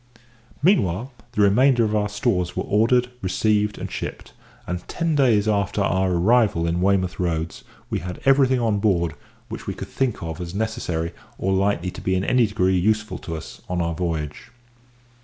Meantime, the remainder of our stores were ordered, received, and shipped, and ten days after our arrival in Weymouth Roads we had everything on board which we could think of as necessary or likely to be in any degree useful to us on our voyage.